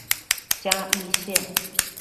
嘉義線